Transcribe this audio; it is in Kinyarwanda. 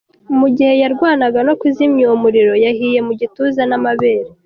Mu gihe yarwanaga no kuzimya uwo muriro yahiye mu gituza n’amabere.